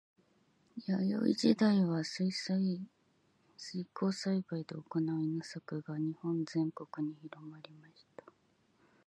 弥生時代は水耕栽培で行う稲作が日本全国に広まりました。